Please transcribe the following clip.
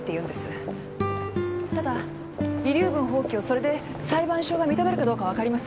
ただ遺留分放棄をそれで裁判所が認めるかどうかは分かりません。